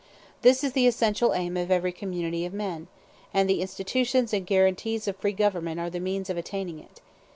This is the essential aim of every community of men; and the institutions and guarantees of free government are the means of attaining it.